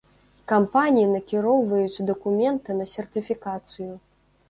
Кампаніі накіроўваюць дакументы на сертыфікацыю.